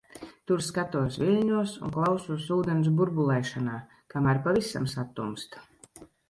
Tur skatos viļņos un klausos ūdens burbulēšanā, kamēr pavisam satumst.